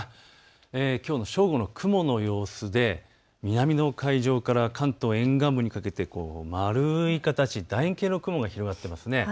きょうの正午の雲の様子で南の海上から関東沿岸部にかけて丸い形、だ円形の雲が広がっています。